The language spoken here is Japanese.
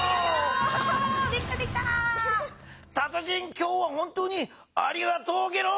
今日は本当にありがとうゲロ！